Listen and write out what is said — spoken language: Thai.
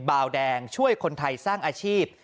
บาวแดงช่วยคนไทยสร้างอาชีพ